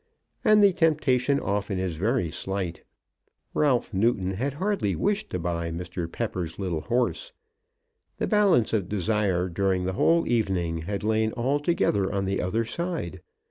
And the temptation often is very slight. Ralph Newton had hardly wished to buy Mr. Pepper's little horse. The balance of desire during the whole evening had lain altogether on the other side.